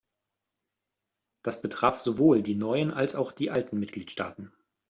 Das betraf sowohl die neuen als auch die alten Mitgliedstaaten.